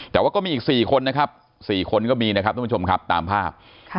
แต่ว่าก็มีอีก๔คนนะครับ๔คนก็มีนะครับทุกผู้ชมครับตามภาพ